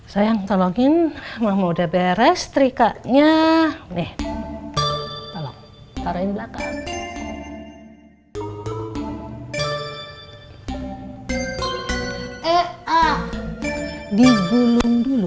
sayang tolongin mama udah beres trikanya nih kalau taruh di belakang eh ah di gulung dulu